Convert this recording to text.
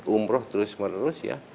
umroh terus menerus ya